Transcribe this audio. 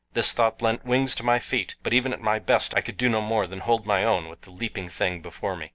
This thought lent wings to my feet; but even at my best I could do no more than hold my own with the leaping thing before me.